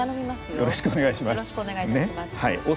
よろしくお願いします。